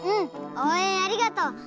おうえんありがとう！